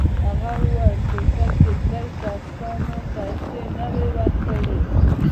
هغه وویل په هوټل کې درې کسانو پیسې نه وې ورکړې.